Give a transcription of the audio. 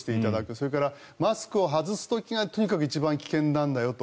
それから、マスクを外す時がとにかく一番危険なんだよと。